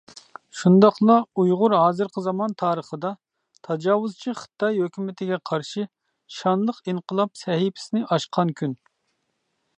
شۇنداقلا ئۇيغۇر ھازىرقى زامان تارىخىدا تاجاۋۇزچى خىتاي ھۆكۈمىتىگە قارشى شانلىق ئىنقىلاب سەھىپىسىنى ئاچقان كۈن.